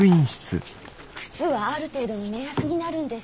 靴はある程度の目安になるんです。